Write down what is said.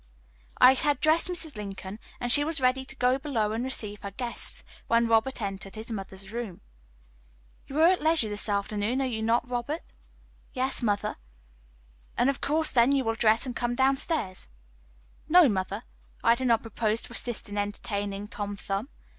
I had dressed Mrs. Lincoln, and she was ready to go below and receive her guests, when Robert entered his mother's room. "You are at leisure this afternoon, are you not, Robert?" "Yes, mother." "Of course, then, you will dress and come down stairs." "No, mother, I do not propose to assist in entertaining Tom Thumb.